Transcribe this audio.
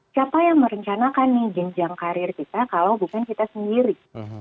siapa yang merencanakan nih jenjang karir kita kalau bukan kita sendiri